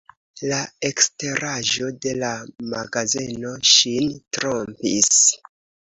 La eksteraĵo de la magazeno ŝin trompis.